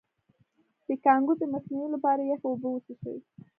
د کانګو د مخنیوي لپاره یخې اوبه وڅښئ